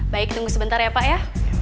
baik tunggu sebentar ya pak ya